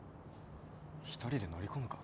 一人で乗り込むか？